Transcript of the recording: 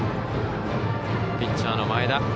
ピッチャーの前田。